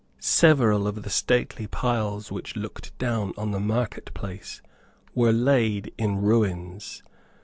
Several of the stately piles which looked down on the market place were laid in ruins.